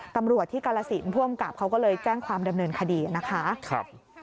ตำรวจที่กาลสินผู้อำกับเขาก็เลยแจ้งความดำเนินคดีนะคะ